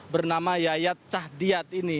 bernama yayat cahdiat ini